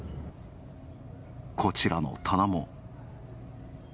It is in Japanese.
こちらの棚も。